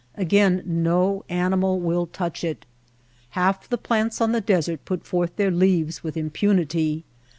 Again no animal will touch it. Half the plants on the desert put forth their leaves with impunity.